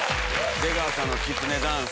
出川さんのきつねダンス。